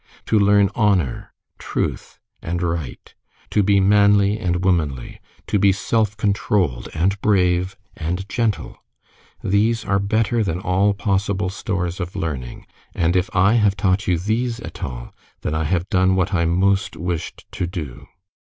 To learn honor, truth, and right; to be manly and womanly; to be self controlled and brave and gentle these are better than all possible stores of learning; and if I have taught you these at all, then I have done what I most wished to do.